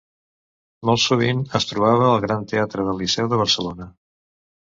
Molt sovint es trobava al Gran Teatre del Liceu de Barcelona.